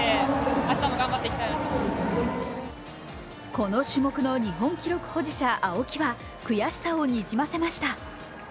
この種目の日本記録保持者青木は悔しさをにじませました。